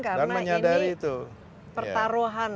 karena ini pertaruhan